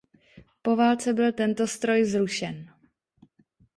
Po válce byl tento stroj zrušen.